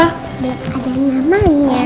belum ada namanya